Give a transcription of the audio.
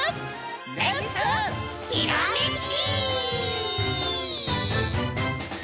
レッツひらめき！